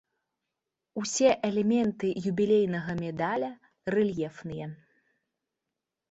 Усе элементы юбілейнага медаля рэльефныя.